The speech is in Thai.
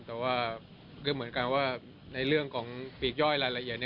แต่ว่าก็เหมือนกันว่าในเรื่องของปีกย่อยรายละเอียด